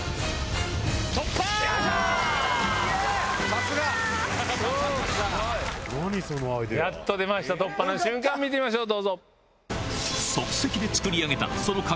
さすが！やっと出ました突破の瞬間見てみましょう。